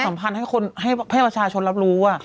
ถ้าประชาสัมพันธ์ให้ประชาชนรับรู้